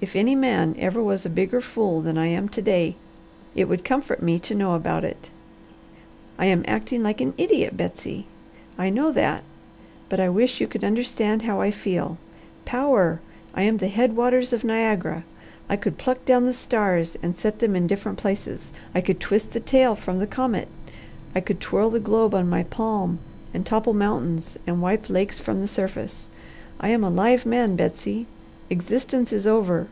If any man ever was a bigger fool than I am to day, it would comfort me to know about it. I am acting like an idiot, Betsy. I know that, but I wish you could understand how I feel. Power! I am the head waters of Niagara! I could pluck down the stars and set them in different places! I could twist the tail from the comet! I could twirl the globe on my palm and topple mountains and wipe lakes from the surface! I am a live man, Betsy. Existence is over.